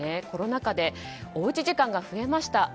コロナ禍でおうち時間が増えました。